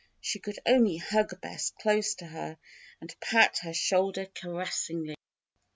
She could only hug Bess close to her and pat her shoulder caressingly.